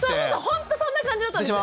ほんとそんな感じだったんですよ。